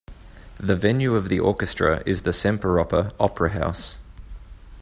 The venue of the orchestra is the Semperoper opera house.